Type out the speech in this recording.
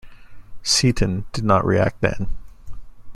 Seton did not react then.